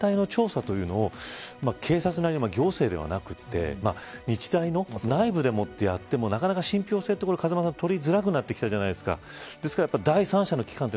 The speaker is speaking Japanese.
でも実際、これ例えば本当に全体の調査というのを警察や行政ではなくて日大の内部でもってやってもなかなか信憑性は取りづらくなってきたじゃないですか。